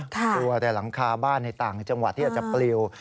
กลัวแต่หลังคาบ้านในต่างจังหวัดที่อาจจะปลิว